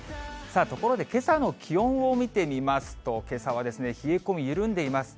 ところでけさの気温を見てみますと、けさは冷え込み緩んでいます。